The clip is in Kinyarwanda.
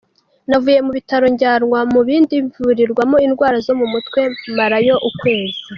Navuye mu bitaro njyanwa mu bindi bivurirwamo indwara zo mu mutwe marayo ukwezi.